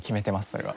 それは。